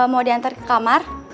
mau dianter ke kamar